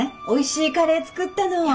おいしいカレー作ったの。